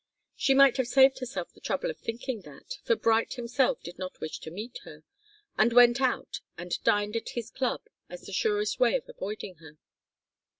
She might have saved herself the trouble of thinking of that, for Bright himself did not wish to meet her, and went out and dined at his club as the surest way of avoiding her.